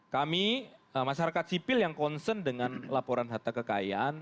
kami masyarakat sipil yang concern dengan laporan harta kekayaan